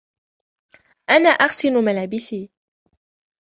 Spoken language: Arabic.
أنا أغسل ملابسي.